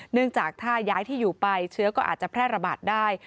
เนื่องจากถ้าย้ายที่อยู่ไปเชื้อก็อาจจะแพร่ระบาดได้